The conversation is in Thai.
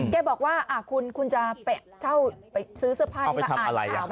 แกบอกว่าคุณจะไปเช่าไปซื้อเสื้อผ้านี้มาอ่านข่าว